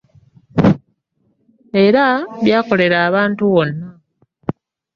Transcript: Era byakolera abantu wonna